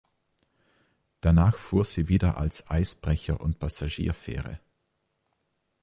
Danach fuhr sie wieder als Eisbrecher und Passagierfähre.